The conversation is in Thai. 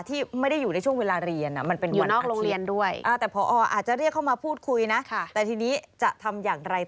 ที่ไม่ได้อยู่ในช่วงเวลาเรียนมันเป็นวันอาทิตย์